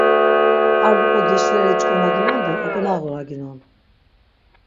Ar luqu geşireli ç̆k̆omaginon do ok̆onağuraginon.